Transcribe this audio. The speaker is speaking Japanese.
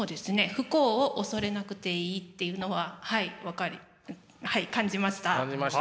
不幸を恐れなくていいっていうのははい感じました。